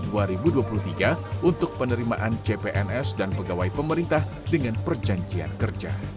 untuk penerimaan cpns dan pegawai pemerintah dengan perjanjian kerja